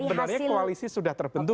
sebenarnya koalisi sudah terbentuk